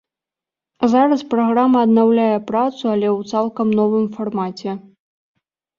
Зараз праграма аднаўляе працу, але ў цалкам новым фармаце.